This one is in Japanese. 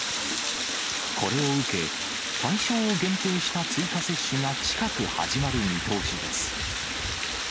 これを受け、対象を限定した追加接種が近く始まる見通しです。